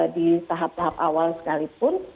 di tahap tahap awal sekalipun